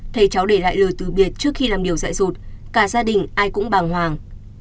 thầy cháu để lại lời từ biệt trước khi làm điều dạy rụt cả gia đình ai cũng bàng hoàng